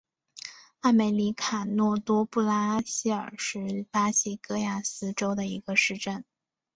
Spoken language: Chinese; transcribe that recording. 阿梅里卡诺多布拉西尔是巴西戈亚斯州的一个市镇。